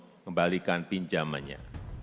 saya ingin mengembalikan pinjamannya